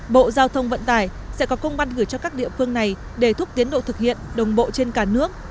bộ giao thông vận tải sẽ có công văn gửi cho các địa phương này để thúc tiến độ thực hiện đồng bộ trên cả nước